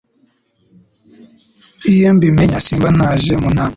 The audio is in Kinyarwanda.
Iyo mbimenya simba naje mu inama